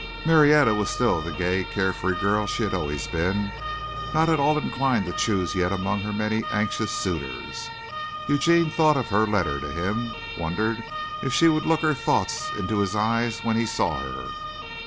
Marietta was still the gay carefree girl she had always been, not at all inclined to choose yet among her many anxious suitors. Eugene thought of her letter to him wondered if she would look her thoughts into his eyes when he saw her.